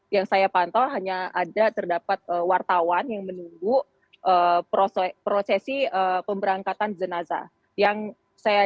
bagaimana situasi terkini di sana